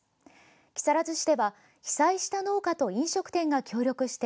木更津市では、被災した農家と飲食店が協力して